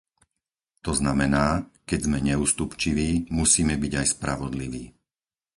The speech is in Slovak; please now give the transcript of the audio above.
To znamená, keď sme neústupčiví, musíme byť aj spravodliví.